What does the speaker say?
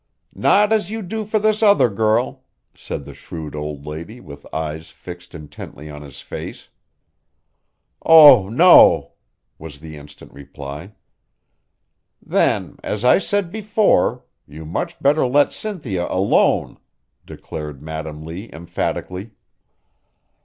"Not as you do for this other girl," said the shrewd old lady, with eyes fixed intently on his face. "Oh, no!" was the instant reply. "Then, as I said before, you much better let Cynthia alone," declared Madam Lee emphatically.